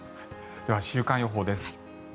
では週間予報です。